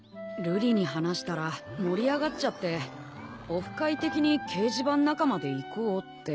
瑠璃に話したら盛り上がっちゃってオフ会的に掲示板仲間で行こうって。